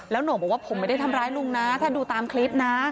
โหน่งบอกว่าผมไม่ได้ทำร้ายลุงนะถ้าดูตามคลิปนะ